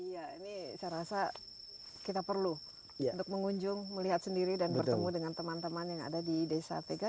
iya ini saya rasa kita perlu untuk mengunjung melihat sendiri dan bertemu dengan teman teman yang ada di desa tega